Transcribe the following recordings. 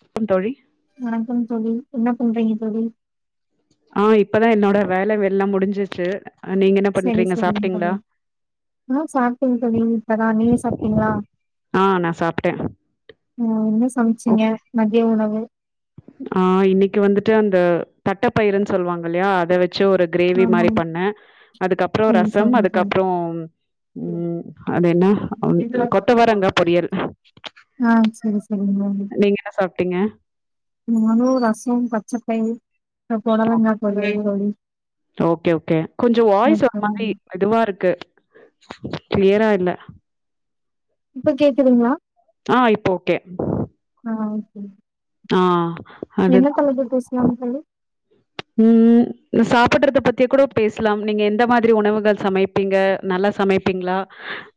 வணக்கம் தோழி வணக்கம் தோழி என்ன பண்றீங்க தோழி ஆ இப்பதான் என்னோட வேல எல்லாம் முடிஞ்சிச்சு நீங்க என்ன சரி பண்றீங்க சரிங்க தோழி. சாப்பிட்டீங்களா ஆ சாப்பிட்டேன் தோழி இப்பதான் நீங்க சாப்பிட்டீங்களா ஆ நான் சாப்பிட்டேன் ஆ என்ன சமைச்சுங்க மதிய உணவு ஆ இன்னைக்கு வந்துட்டு அந்த தட்டைப்பயிருன்னு சொல்லுவாங்க இல்லையா அதை வச்சு ஒரு கிரேவி மாறி ஆமாங்க பண்ணே அதுக்கப்றோ தோழி ரசம் சரிங்க தோழி. அதுக்கப்றோ உம் அது என்ன அது கொத்தவரங்கா பொரியல் ஆ சரி சரிங்க தோழி நீங்க என்ன சாப்ட்டீங்க நானு ரசம் பச்சபயிர் புடலங்கா பொரியல் ம் தோழி ஓக்கே ஓக்கே கொஞ்சோ வாய்ஸ் ஓகே ஒரு தோழி. மாறி இதுவா இருக்கு கிளியரா இல்ல இப்ப கேக்குதுங்ளா ஆ இப்போ ஓகே ஆ தோழி ஆ அதுதா பேசலாம் [inaudible] உம் சாப்பிட்றத பத்தியே கூட பேசலா நீங்க எந்த மாதிரி உணவுகள் சமைப் பீங்க நல்லா சமைப்பீங்ளா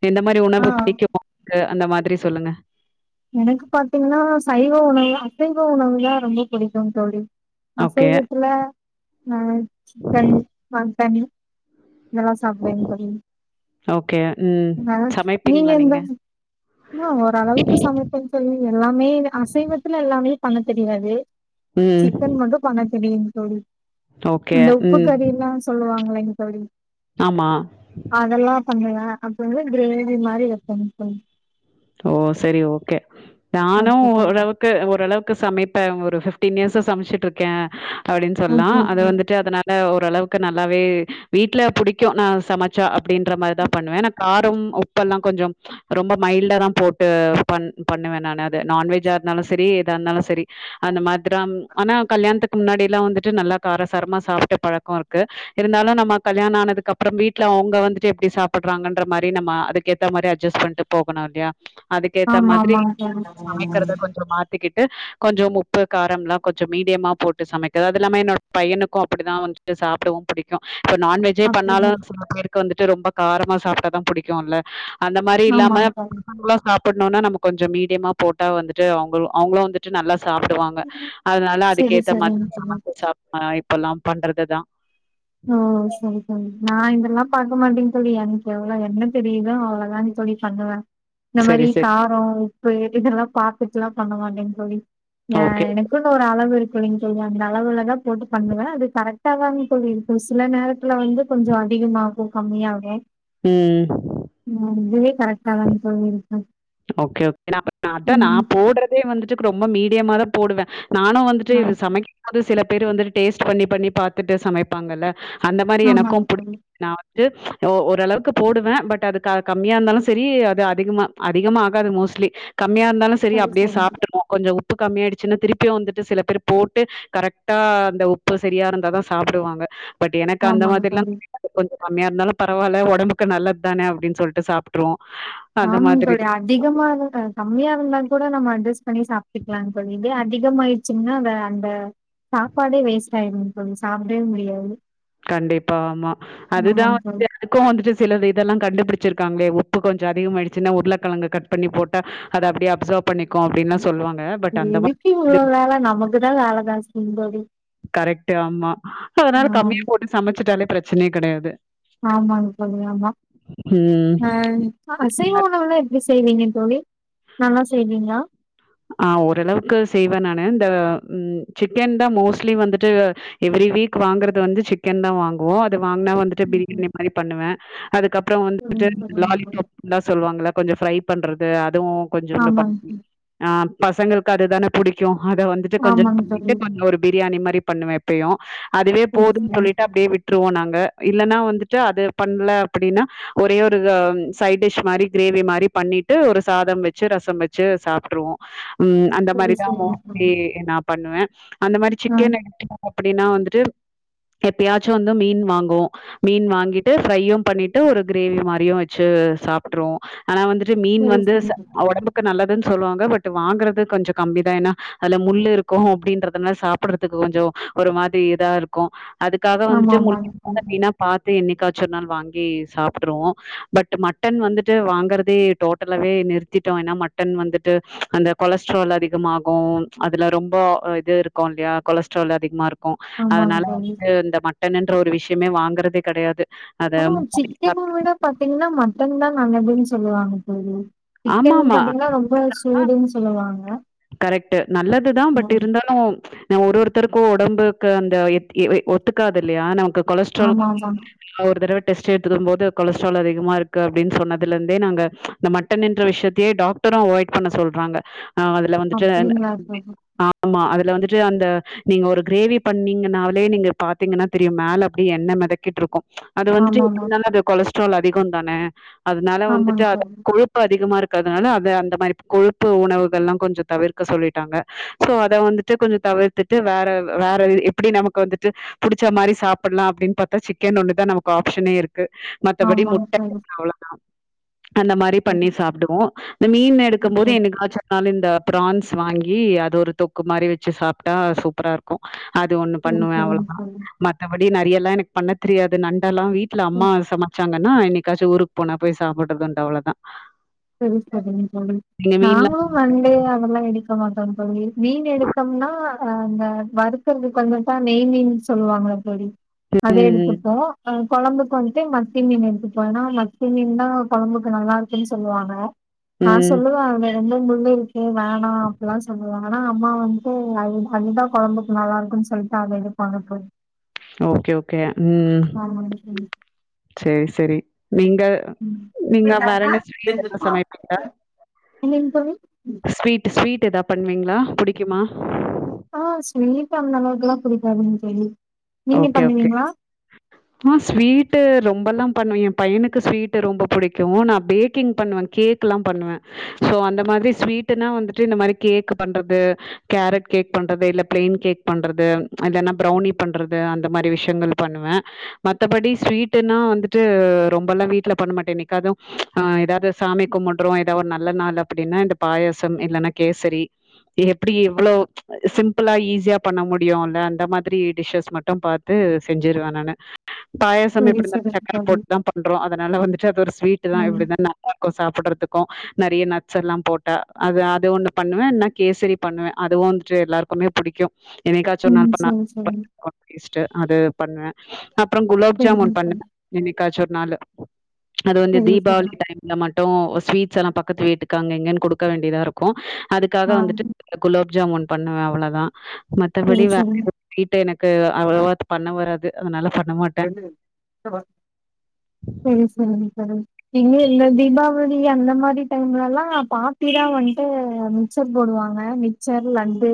எந்த மாறி ஆ உணவு புடிக்கும் உங்களுக்கு அந்த மாதிரி சொல்லுங்க எனக்கு பாத்தீங்கன்னா சைவ உணவு அசைவ உணவு தா ரொம்ப புடிக்கும் தோழி ஓகே, அசைவத்துல அ சிக்கன் மட்டன் இதெல்லா சாப்பிடுவேங் தோழி ஓகே. ம். [unintelligible] நீங்க சமைப்பீங்களா என்ன அ ஓரளவுக்கு சமைப் பே தோழி எல்லாமே அசைவத்துல எல்லாமே பண்ண தெரியாது ம். சிக்கன் மட்டும் பண்ண தெரியுங் தோழி ஓகே. இந்த உப்பு ம். கறி எல்லா சொல்லுவாங்க இல்லங் தோழி ஆமா அதெல்லா கொஞ்சோ [unintelligible] கிரேவி மாதிரி வெப்பங் தோழி ஓ சரி ஓக்கே நானு ஒர் அளவு க்கு ஓரளவுக்கு சமைப்பே ஒரு பிப்டீன் இயர்ஸ்சா சமைச்சிட்டு இருக்கே அப்டின்னு சொல்லா ஓகே அது ஓகே. வந்துட்டு அதனால ஓரளவுக்கு நல்லாவே வீட்ல புடிக்கும் நா சமச் சா அப்டின்ற மாற் தா பண்ணுவே ஏன்னா காரம் உப்பெல்லா கொஞ்சோ ரொம்ப மைல்டா தா போட்டு பண் பண்ணுவேன நானு அது நான்வெஜ்ஜா இருந்தாலு சரி எதா இருந்தாலு சரி அந்த மாத்ரம் ஆனா கல்யாணத்துக்கு முன்னாடி எல்லா வந்துட்டு நல்லா காரசாரமா சாப்ட்டு பழக்கம் இருக்கு இருந்தாலு நம்ம கல்யாணம் ஆனதுக்கப்றோ வீட்ல அவுங்க வந்துட்டு எப்டி சாப்பட்றாங்கன்ற மாறி நம்ப அதுக்கு ஏத்த மாறி அட்ஜெஸ் பண்ட்டு போகணு இல்லயா அதுக்கேத்த ஆமா மாதிரி ஆமாங் தோழி சமைக்கிறத கொஞ்சோ மாத் திகிட்டு கொஞ்சோ உப்பு காரம் எல்லா கொஞ்சோ மீடியமா போட்டு சமைக்கறது அது இல்லாம என்னோட பையனுக்கு அப்படிதா வந்து சாப்பிடவு புடிக்கும் இப்ப நான்வெஜ் ஜே அப்டியா பண்ணாலு சில பேருக்கு வந்துட்டு ரொம்ப காரமா சாப்ட்டாதா புடிக்குல்ல அந்த மாறி இல்லாம ஆமாங் தோழி ஃபுல்லா சாப்பிட்ணுன்னா நம்ம கொஞ்சோ மீடியமா போட்டா வந்துட்டு அவுங்க அவுங்களும் வந்துட்டு நல்லா சாப்டுவாங்க அதனால செரி அதுக்கேத்த செரிங் மாதிரி தோழி சமச்சு சாப் இப்பல்லா பண்றதுதா ஓ சரி தோழி நா இதெல்லா பாக்க மாட்டேங் தோழி எனக்கு எவ்வளோ என்ன தெரியுதோ அவ்ளதா தோழி பண்ணுவே இந்த மாறி செரி செரி காரோ உப்பு இதெல்லா பாத்துட்டுல்லா பண்ண மாட்டே தோழி ஏ ஓகே எனக்கு ன்னு ஒரு அளவு இருக்கு இல்லங் தோழி அந்த அளவுல தா போட்டு பண்ணுவே அது கரெக்ட தாங் தோழி இருக் ஒரு சில நேரத்துல வந்து கொஞ்சோ அதிகமாகு கம்மியாகு உம் மோஸ்ட்லி கரெக்ட்டா தா தோழி இருக்கு ஓக்கே ஓக்கே அத்தா நா ம் போட்றதே வந்துட்டு ரொம்ப மீடியமா தா போடுவே நானும் வந் துட்டு ஆ இது சமைக்கும் போது சில பேர் வந்துட்டு டேஸ்ட் பண்ணி பண்ணி பாத்துட்டு சமைப்பாங்கில்ல அந்த மாறி ஆமாங்க எனக்கும் புடிக் தோழி நா ட்டு ஓரளவுக்கு போடுவே பட் அது கம்மியா இருந்தாலு சரி அது அதிகமா அதிகமா ஆகாது மோஸ்ட்லி கம்மியா இருந்தாலு சரி அப்படியே சாப்ட்ருவோ கொஞ்சோ உப்பு கம்மியாய்டுச்சுனா திருப்பியு வந்துட்டு சில பேரு போட்டு கரெக்டா அந்த உப்பு சரியா இருந்தாதா சாப்புடுவாங்க பட் எனக்கு அந்த ஆமாங்க மாதிர்லா தோழி கொஞ்சோ கம்மியா இருந்தாலு பரவால்ல ஒடம்புக்கு நல்லத்தான அப்டின் சொல்ட்டு சாப்ட்ருவோ நானு தோழி அதிகமா இரு அ கம்மியா இருந்தாலு கூட நம்ம அட்ஜஸ் பண்ணி சாப்ட்டுக்லா தோழி இதே அதிகமாய்ர் சுன்னா வேண்டா சாப்பாடே வேஸ்ட் ஆய்ரு தோழி சாப்டவே முடியாது கண்டிப்பா ஆமா அதுதா ஆமாங்க தோழி வந்து அதுக்கு வந்துட்டு சிலது இதெல்லா கண்டுபிடிச்சிருக்காங்ளே உப்பு கொஞ்சோ அதிகமாய்டுச்சுன்னா உருளக்கெழங்க கட் பண்ணி போட்டா அது அப்டியே அப்சர்வ் பண்ணிக்கு அப்டின்லா சொல்லுவாங்க பட் அந்த மாதிரி எதுக்கு இது இவுளோ வேல நமக்குதா வேல சாஸ்திங்க தோழி கரெக்ட்டு ஆமா அதனால ஆம் கம்மியா போட்டு சமைச்சுட்டாலே பிரச்சனையே கெடையாது ஆமாங் தோழி ஆமா ம். அ இப்ப அசைவ உணவுல எப் டி செய்வீங்க தோழி நல்லா செய்வீங்ளா ஆ ஓரளவுக்கு செய்வ நானு இந்த ம் சிக்கன்தா மோஸ்ட்லி வந்துட்டு எவுரி வீக் வாங்குறது வந்து சிக்கன்தா வாங்குவோ அது வாங்னா வந்துட்டு ம் பிரியாணி மாரி பண்ணுவ அதுக்கப்புறோ வந்துட்டு ம் சொல்லுங்க தோழி லாலிபாப்லா சொல்லுவாங்ள கொஞ்சோ ஃப்ரை பண்றது அதுவு கொஞ்சோண்டு ஆமாங்க பண்ணுவே தோழி ஆ பசங்களுக்கு அதுதான புடிக்கு அத வந்துட்டு கொஞ்சோன் ஆமாங்க பண்ணிட்டு தோழி கொஞ்சோ ஒரு பிரியாணி மாரி பண்ணுவ எப்பயோ அதுவே சரி போதும் சரி சொல்லிட்டு அப்டியே விட் ருவோ நாங்க இல்லனா வந்துட்டு அது பண்ல அப்டினா ஒரே ஒருக சைடிஷ் மாரி கிரேவி மாரி பண்ணிட்டு ஒரு சாதம் வச்சு ரசம் வச்சு சாப் ட்ருவோ ம் அந்த சரி மாரிதா சரிங்க தோழி மோஸ்ட்லி நா பண்ணுவ அந்த மாரி ஆ சிக்கன் எடுத்துக்கோ அப்டினா வந்துட்டு எப்பயாச்சு வந்து மீன் வாங்குவோ மீன் வாங்கிட்டு ஃபிரையு பண்ணிட்டு ஒரு கிரேவி மாரியு வச்சு சாப்ட்ருவோ ஆனா வந்துட்டு மீன் சரி வந்து சரி ச தோழி. ஒடம்புக்கு நல்லதுன் சொல்லுவாங்க பட் வாங்குறது கொஞ்சோ கம்மிதா ஏனா அதுல முள்ளு இருக்கு அப்டின்றதுனால சாப் புடுறதுக்கு கொஞ்சோ ஒரு மாரி இதா இருக்கு அதுக்காக ஆமா வந்துட்டு முள் ஆமாங்க இல்லாத தோழி மீனா பாத்து என்னைக்காச்சு ஒரு நாள் வாங்கி சாப்ட்ருவோ பட்டு மட்டன் வந்துட்டு வாங்கறதே டோட் டலாவே நிறுத்திட்டோ ஏனா மட்டன் வந்து ட்டு அந்த கொலஸ்ட்ரால் அதிகமாகு அதுல ரொம்ப இது இருக்கு இல்லையா கொலஸ்ட்ரால் அதிகுமா இரு க்கு ஆமாங்க அதுனால தோழி வந்துட்டு இந்த மட்டனுன்ற ஒரு விஷ்யமே வாங்குறதே கெடையாது அத ஆனா முன்னாடி சிக்கன சாப்ட் விட பாத்தீங்னா மட்டன்தா நல்லதுன் சொல்லுவாங்க தோழி சிக்கன் ஆமாமா. பாத்தீங்னா ரொம்ப ஸ் சூடுன் சொல்லுவாங்க கரெக்ட்டு நல்லதுதா பட் ம் இருந்தாலு ஒரு ஒருத்தருக்கு ஒடம்புக்கு அந்த எத் எ வ ஒத்துக்காதுல்லையா நமக்கு கொலஸ்ட்ரால் ஆமா ஆமா ஒரு தடவ டெஸ்ட் எடுத்துட் வரும் போது கொலஸ்ட்ரால் அதிகமா இருக்கு அப்டின் சொன்னதுல இர்ந்தே நாங்க இந்த மட்டனுன்ற விஷ்யத்தியே டாக்டரு அவாய்ட் பண்ண சொல்றாங்க ஆ அதுல வந்துட்டு என்ன அப்டிங்களா தோழி ஆ ஆமா அதுல வந்துட்டு அந்த நீங்க ஒரு கிரேவி பண்ணீங்கனாலே நீங்க பாத்தீங்கனா தெரியு மேல அப்டியே எண்ண மெதக்கிட்ருக்கு அது வந்துட்டு ஆமா ஆமா எப்டினாலு அது கொலஸ்ட்ரால் அதிகோந்தான அதுனால ஆமாங்க வந்துட்டு அத தோழி. கொழுப் பு அதிகமா இருக்கறதுனால அத அந்த மாரி கொழுப்பு உணவுகள்லா கொஞ்சோ தவிர்க்க சொல்லிட்டாங்க சோ அத வந்துட்டு கொஞ்சோ தவிர்த்துட்டு வேற வேற எப்புடி நமக்கு வந்துட்டு புடிச்ச மாரி சாப்புலா அப்டின் பாத்தா சிக்கன் ஒன்னுதா நமக்கு ஆப்ஷனே இருக்கு மத்தபடி ஆமாங்க முட்ட தோழி. [inaudible] அவுளோதா அந்த மாரி பண்ணி சரி சாப்டுவோ இந்த மீன் எடுக்கும்போது ஓகே. என்னிக்காச்சு தனாலந்த ப்ரான்ஸ் வாங்கி அது ஒரு தொக்கு மாரி வச்சு சாப்ட்டா சூப்பரா இரு க்கு அது ஒண்ணு சரி பண்ணுவே சரிங்க அவ்ளோதா தோழி. மத்தபடி நறையல்லா எனக்கு பண்ண தெரியாது நண்டெல்லா வீட்ல அம்மா சரி சமைச்சாங்கன்னா என்னைக்காச்சு ஊருக்கு போனா போய் சாப்பிடுறதுண்டு அவ்ளதா செரி சொல்லுங்க சொல்லுங் மீன்லாம் நாங்களு நண்டே அதெல்லா எடுக் கமாட்டோ தோழி மீன் எடுத்தோம்னா அ அந்த வருத்திறதுக்கு வந்துட்டா நெய் மீன் சொல்லுவாங்கள தோழி அதே ம், எடுத்துப்போ அ கொழம்புக்கு வந்துட்டு மத்தி மீன் எடுத்துப்போ ஏனா மத்தி மீன் தா கொழம்புக்கு நல்லா இருக்குன்னு சொல்லுவாங்க நா ம். சொல்லுவே அதுல ரொம்ப முள்ளுருக்கு வேணா அப்டிலா சொல்லுவா ஆனா அம்மா வந்ட்டு அது அதுதா கொழம்புக்கு நல்லா இருக்குன்னு சொல்ட்டு அத எடுப்பாங்க போய் ஓகே ஓகே ம் ஆமாங்க தோழி. செரி செரி நீங்க நீங்க வேற ம். என்ன ஸ்வீடல்லா சமைப்பீங்களா இல்லைங் தோழி ஸ்வீட் ஸ்வீட் எதா பண்ணுவீங்களா புடிக்குமா ஆ ஸ்வீடா அந்த அளவுக்கெல்லா புடிக்காதுங்க தோழி நீங்க ஓகே, ஓகே. பண்ணுவீங்களா ஆ ஸ்வீட்டு ரொம்பல்லா பண்ணுவே எ பையனுக்கு ஸ்வீட்டு ரொம்ப புடிக்கு நா பேக்கிங் பண்ணுவே கேக் கெல்லா பண்ணுவே சோ அந்த மாதிரி ஸ்வீடனா வந்துட்டு இந்த மாதிரி கேக் பண்றது கேரட் கேக் பண்றது இல்ல பிளைன் கேக் பண்றது இல்லன்னா ப்ரவ்னி பண்றது அந்த மாரி விஷயங்கள் பண்ணுவே மத்தபடி ஸ்வீட்டுன்னா வந்துட்டு ரொம்ப எல்லா வீட்டுல பண்ண மாட்டே என்னைக்காது ஆ ஏதாவது சாமி கும்ப்டறோ ஏதாவது ஒரு நல்ல நாள் அப்டின்னா இந்த பாயசம் இல்லன்னா கேசரி எப்டி இவ்ளோ சிம்பிளா ஈஸியா பண்ண முடியுல அந்த மாரி டிசஸ் மட்டும் பாத்து செஞ்சிருவே நானு பாயாஷம் சரி எப்டி இருந்தாலு சரி சக்கரை தோழி போட்டுதா பண்றோ அதனால வந்துட்டு அது ஒரு ஸ்விட்டு தா ம் எப்டி தான ருக்கோ சாப்ட்றதுக்கோ நறைய நட்ஸ் எல்லா போட்டா அது அது ஒண்ணு பண்ணுவே என்னா கேசரி பண்ணுவே அதுவு வந்துட்டு எல்லாருக் குமே புடிக்கோ என்னைக்காச்சு ஒரு ம் நாள் பன் சரி சரி கோ டேஸ்ட்டு அது பண்ணுவே அப்புறோ குலாப் சரிங்க ஜாமுன் தோழி பண்ணுவே என்னைக்காச்சு ஒரு நாளு அது வந்து சரி சரி தீபாவளி டைம்ல மட்டு ஸ்வீட்ஸ் எல்லா பக்கத்து வீட்டுக்காங்க அங்க இங்கன்னு குடுக்க வேண்டியதா இருக் கு அதுக்காக ஆ வந்துட்டு குலாப் ஜாமுன் பண்ணுவே அவ்ளோதா சரி மத்தபடி வேற சரிங்க எதுவு ஸ்வீட்டு எனக்கு அவ்ளவா பண்ண வராது அதனால பண்ண மாட்ட [unintelligible] செரி செரிங் தோழி இங்க இந்த தீபாவளி அந்த மாரி டைம்லல்லா பாட்டி தா வந்ட்டு மிச்சர் போடுவாங்க மிச்சர் லட்டு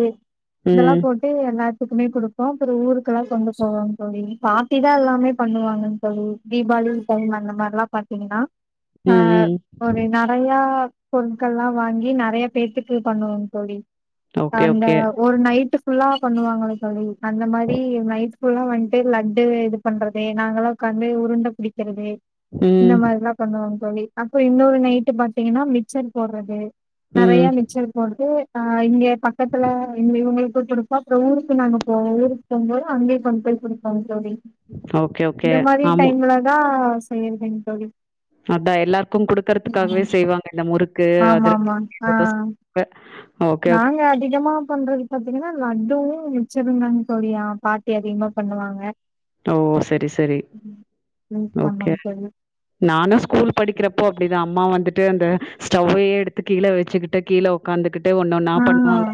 இதெல்லா ம். போட்டு எல்லாத்துக்குமே குடுப்போ அப்புறோ ஊருக்கெல்லா கொண்டு போவோம்னு தோழி பா ட்டி தா எல்லாமே பண்ணுவாங்க தோழி தீபாவளி பொங்கல் அந்த மார்ல்லா பாத்தீங்கன்னா ம், ஆ ம். ஒரு நறைய பொருட்கல்லா வாங்கி நறைய பேத்துக்கு பண்ணுவோங் தோழி ஓகே, அந்த ஓகே. ஒரு நைட் ஃபுல்லா பண்ணுவாங்கள தோழி அந்த மாரி நைட் ஃபுல்லா வந்ட்டு லட் டு இது பண்றது நாங்களா உக்காந்து உருண்ட புடிக்கிறது இந்த ம், மாரிலா பண்ணுவோம் தோழி அப்ப இன்னொரு நைட்டு பாத்தீங்கன்னா மிச்சர் போடுறது நெறைய ம். மிச்சல் போடுது அ இங்க பக்கத்துல இங்க இவங்ககிட்ட குடுப்போ அப்புறம் ஊருக்கு நாங்க போவோ ஊருக்கு போம்போது அங்கய கொண் டு போய் குடுப்போங்க தோழி ஓகே, ஓகே. இந்த மாதிரி ஆமா. டைம்ல தா செய்யறதுங்க தோழி அதான் எல்லாருக்கு குடுக்குறதுக்காகவே செய்வாங்க இந்த முறுக்கு ஆமா அதி ஆமா ஆ [inaudible] நாங்க அதிகமா பண்றது பாத்தீங்கன்னா லட்டுவு மிச்சருங்கதா தோழி பாட்டி அதிகமா பண்ணுவாங்க ஓ சரி சரி ம் ஓகே ஆமாங்க தோழி நானும் ஸ்கூல் படிக்கிறப்போ அப்டிதா அம்மா வந்துட்டு அந்த ஸ்டவ்வையே எடுத்து கீழ வச்சுக்கிட்டு கீழ உக்காந்துகிட்டு ஒன்னு ஒண்ணா ஆ பண்ணுவாங்க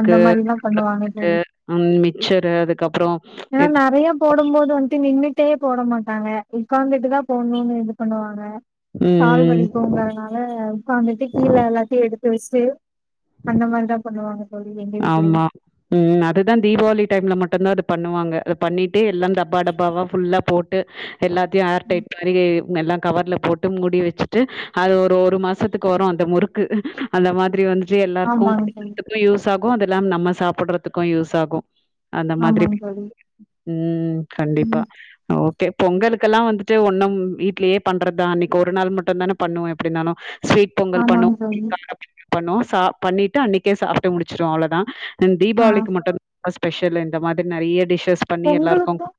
அந்த மாரில்லா பண்ணுவாங்க தோழி ம் மிக்சரு அதுக்கப்றோ ஏன்னா நெறைய போடும் போது வந்துட்டு நின்ட்டே போட மாட்டாங்க உட்கார்ந்துட்டு தா போடணுன்னு இது பண்ணுவாங்க கால் ம், ம். வலிக்குங்க ஆனா ஆ உட்காந்துட்டு கீழ எல்லாத்தையு எடுத்து வச்சு அந்த மாரிதா பண்ணுவாங்க தோழி எங்க வீட்லயு ஆமா ம் அதுதா தீபாவளி டைம்ல மட்டுந்தா அது பண்ணுவாங்க அத பண்ணிட்டு எல்லா டப்பா டப்பாவா ஃபுல்லா போட்டு எல்லாத்தையு ஏர் டைட் மாரி எல்லா கவர்ல போட்டு முடி வச்சுட்டு அது ஒரு ஒரு மாசத்துக்கு வரும் அந்த முறுக்கு அந்த மாதிரி வந்து எல்லாருக்கும் ஆமாங்க தோழி குடுக்குறதுக்கும் யூஸ் ஆகும் அதெல்லாம் நம்ம சாப்பிடுறதுக்கும் யூஸ் ஆகும் அந்த மாதிரி ஆமாங்க தோழி ம் கண்டிப்பா ம் ஓ கே பொங்கலுக்கெல்லாம் வந்துட்டு ஒன்னும் வீட்லயே பண்றதுதா அன்னைக்கு ஒரு நாள் மட்டுந்தான பண்ணுவோ எப்டின்னாலும் ஸ்வீட் பொங்கல் பண்ணுவோ ஆமாங்க தோழி காப்ப பண்ணுவம் சா பண்ணிட்டு அன்னைக்கே சாப்பிட்டு முடிச்சிருவோ அவ்வளோதா ம் ஆ தீபாவளிக்கு மட்டும் ஸ்பெஷல் இந்த மாதிரி நெறைய டிஷ்ஷஸ் பண்ணி எல்லாருக்கு பொங்கலுக்கும்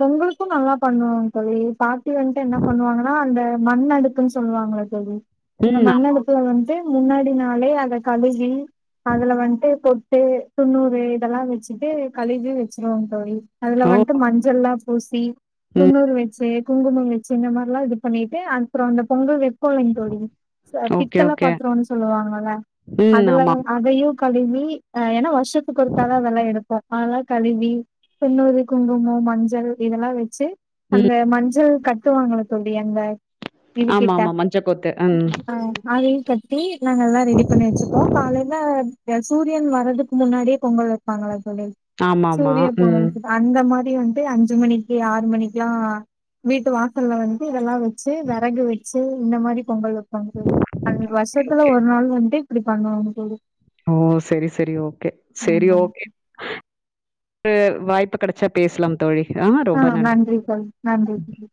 பொங்கலுக்கும் நல்லா பண்ணுவாங்க தோழி பா ட்டி வந்துட்டு என்ன பண்ணுவாங்கன்னா அந்த மண் அடுக்குன்னு சொல்லுவாங்கல்ல தோழி இந்த ம் ஆமா. மண் அடு ப்பு வந்து முன்னாடி நாளே அத கழுவி அதுல வந்துட்டு பொட்டு துண்ணூறு இதெல்லாம் வச்சுட்டு கழுவி வச்சிருவாங்க தோழி அதுல ஓ வந்துட்டு மஞ்சள்லா பூசி ம் துண்ணூறு வச்சு குங்குமம் வச்சு இந்த மாரில்லா இது பண்ணிட்டு அப்பறோ அந்த பொங்கல் வை போங் தோழி ச ஓகே பித்தல ஓகே பாத்தரோன்னு சொல்லுவாங்கல்ல ம் அதுல ஆமா அதையு கழுவி ஏன்னா வருஷத்துக்கு ஒருக்காதா அதெல்லா எடுப்போ அதெல்லா கழுவி துன்னூறு குங்குமம் மஞ்சள் இதெல்லா வச்சு அந்த ம் மஞ்சள் கட் ட்டுவாங்கல்ல தோழி அங்க இது ஆமா கிட்ட ஆமா மஞ்சக்கோத்து ம் ஆ அதையும் கட்டி நாங்க எல்லா ரெடி பண்ணி வச்சுப்போ காலையில சூரியன் வர்றதுக்கு முன்னாடியே பொங்கல் பாங்கல்ல தோழி ஆமா ஆமா சூரிய ம் பொங்கல் அந்த மாரி வந்து அஞ்சு மணிக்கு ஆறு மணிக்கு எல்லாம் வீட்டு வாசல்ல வந்து இதெல்லா வச்ச ச்சு வெறகு வச்சு இந்த மாரி பொங்கல் வைப்போங்க தோழி அந்த வருஷத்துல ஓகே ஒரு நாள் வந்து அப்டி பண்ணுவோங்க தோழி ஓ செரி செரி ஓகே செரி ஆமாங்க ஓகே ஒரு வாய்ப்பு கெடைச்சா பேசலாம் தோழி ஆ ஆ நன்றி தோழி நன்றி தோழி